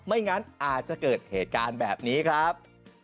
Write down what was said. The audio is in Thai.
ไม่งั้นอาจจะเกิดเหตุการณ์แบบนี้ครับ